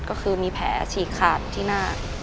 ก็คือมีแผลฉีกขาดที่หน้า